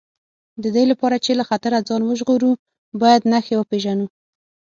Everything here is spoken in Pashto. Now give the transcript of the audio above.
د دې لپاره چې له خطره ځان وژغورو باید نښې وپېژنو.